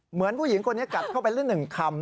เหมือนผู้หญิงคนนี้กัดเข้าไปแล้วหนึ่งคำ